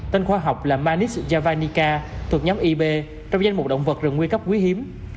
tên khoa học là manis javanica thuộc nhóm ib trong danh mục động vật rừng nguy cấp quý hiếm